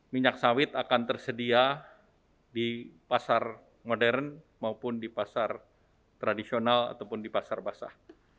minyak sawit akan tersedia di pasar modern maupun di pasar tradisional ataupun di pasar basah